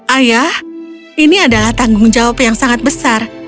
ayah ini adalah tanggung jawab yang sangat besar